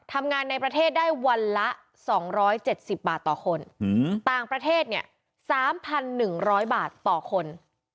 ทำงานในประเทศได้วันละสองร้อยเจ็ดสิบบาทต่อคนหือต่างประเทศเนี่ยสามพันหนึ่งร้อยบาทต่อคน